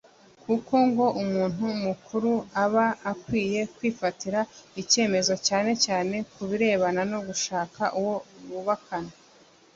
kuko ngo umuntu mukuru aba akwiye kwifatira icyemezo cyane cyane ku birebana no gushaka uwo bubakana